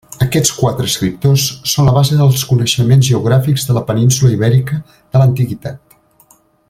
Aquests quatre escriptors són la base dels coneixements geogràfics de la península Ibèrica de l'Antiguitat.